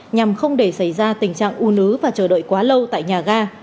nhằm không để xảy ra tình trạng u nứ và chờ đợi quá lâu tại nhà ga